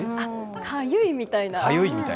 かゆいみたいな？